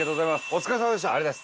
お疲れさまです。